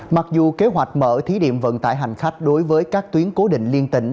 mặc dù kế hoạch mở thí điệm vận tải hành khách đối với các tuyến cố định liên tịnh